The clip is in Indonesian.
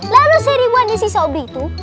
lalu seribuan dari si sobri itu